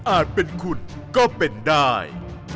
อาจเป็นคุณก็เป็นได้